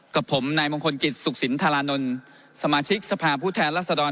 กับผมนายมคตสุขศิลป์ธาราณนลสมาชิกสภาพพูดแทนลักษณฑร